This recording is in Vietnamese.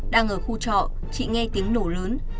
đang ở khu trọ chị nghe tiếng nổ lớn